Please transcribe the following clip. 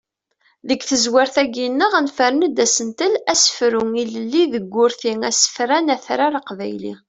Deg tezrawt-agi-nneɣ nefren-d asentel: asefru ilelli deg urti asefran atrar aqbayli.